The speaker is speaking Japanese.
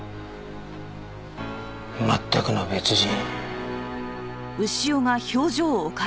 「全くの別人」。